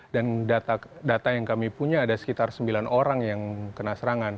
dan data yang kami punya ada sekitar sembilan orang yang kena serangan